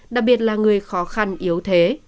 đặc biệt là người khó khăn yếu thế